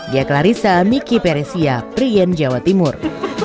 dia clarissa miki peresia prien jawa timur